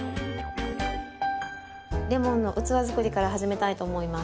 レモンの器作りから始めたいと思います。